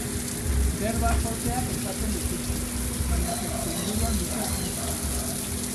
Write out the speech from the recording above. Berba solteak esaten dituzte, baina testuinguruan dute zentzua.